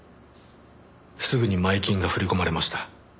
すぐに前金が振り込まれました。